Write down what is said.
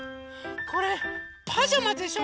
これパジャマでしょ！